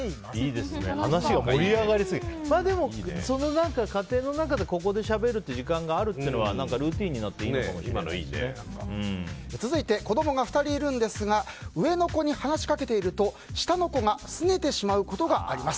でも、その家庭の中でここでしゃべるという時間があるっていうのはルーティンになって続いて子供が２人いるんですが上の子に話しかけていると下の子が拗ねてしまうことがあります。